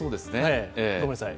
ごめんなさい。